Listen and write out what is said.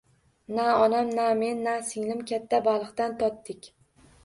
Na onam, na men, na singlim katta baliqdan totdik.